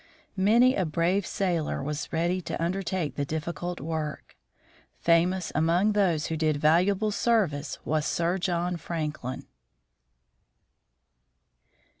Many a brave sailor was ready to undertake the difficult work. Famous among those who did valuable service was Sir John Franklin.